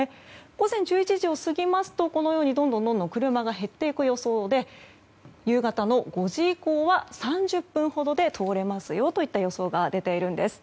午前１１時を過ぎますとこのようにどんどんと車が減っていく予想で夕方の５時以降は３０分ほどで通れますよという予想が出ているんです。